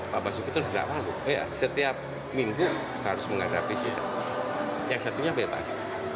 bapak siput itu sudah lama setiap minggu harus menghadapi sidang yang satunya bebas